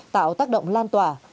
tạo tác động lan tỏa